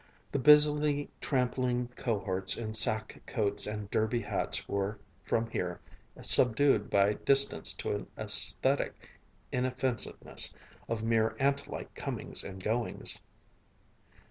The busily trampling cohorts in sack coats and derby hats were, from here, subdued by distance to an aesthetic inoffensiveness of mere ant like comings and goings.